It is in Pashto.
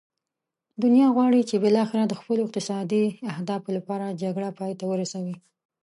دنیا غواړي چې بالاخره د خپلو اقتصادي اهدافو لپاره جګړه پای ته ورسوي.